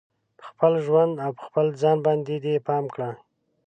په خپل ژوند او په خپل ځان باندې دې پام کړي